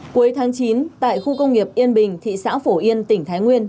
cuối tháng chín tại khu công nghiệp yên bình thị xã phổ yên tỉnh thái nguyên